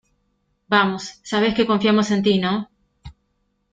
vamos... sabes que confiamos en ti, ¿ no?